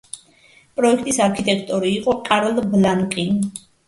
პროექტის არქიტექტორი იყო კარლ ბლანკი.